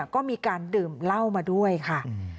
ก็มีการดื่มเหล้ามาด้วยค่ะ